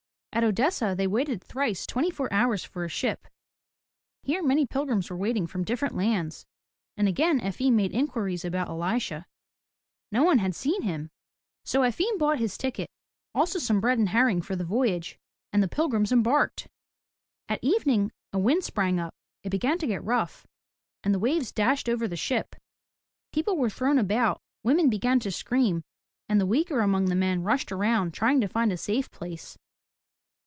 At Odessa they waited thrice twenty four hours for a ship. Here, many pilgrims were waiting from different lands, and again Efim made inquiries about Elisha. No one had seen him. So Efim bought his ticket, also some bread and herrmg for the voyage, and the pilgrims embarked. At evening a wind sprang up, it began to get rough, and the waves dashed over the ship. People were thrown about, women began to scream, and the weaker among the men rushed around trying to find a safe place.